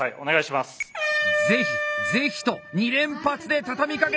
ぜひぜひと２連発で畳みかけた！